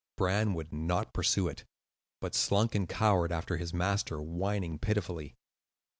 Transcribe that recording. Bran would not pursue it, but slunk and cowered after his master, whining pitifully.